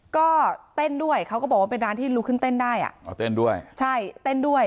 ก็เต้นด้วยเขาก็บอกว่าเป็นร้านที่ลุกขึ้นเต้นได้อ่ะอ๋อเต้นด้วยใช่เต้นด้วย